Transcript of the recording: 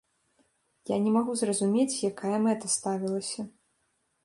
Я не магу зразумець, якая мэта ставілася.